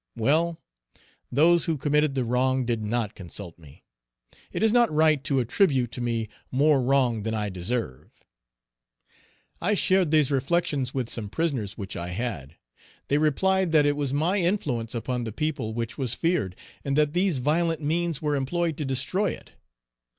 Well! those who committed the wrong did not consult me. It is not right to attribute to me more wrong than I deserve. I shared these reflections with some prisoners which I had. They replied that it was my influence upon the people which was feared, and that these violent means were employed to destroy it.